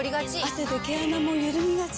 汗で毛穴もゆるみがち。